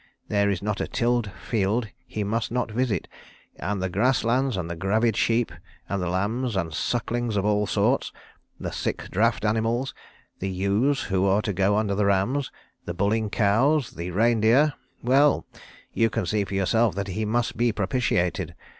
There is not a tilled field he must not visit; and the grass lands and the gravid sheep, and the lambs and sucklings of all sorts; the sick draught animals; the ewes who are to go under the rams; the bulling cows; the reindeer well, you can see for yourself that he must be propitiated.